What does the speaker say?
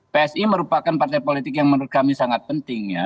psi merupakan partai politik yang menurut kami sangat penting ya